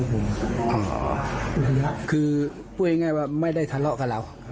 คือคือพวกนี้ไม่ได้ทะเลาะกับเรา